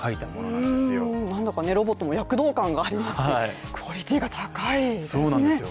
なんだかロボットも躍動感がありますしクオリティーが高いですね。